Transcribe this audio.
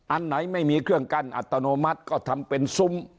อันไหนไม่มีเครื่องกั้นอัตโนมัติก็ทำเป็นซุ้ม